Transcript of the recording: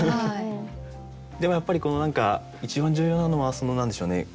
でもやっぱり何か一番重要なのは何でしょうね。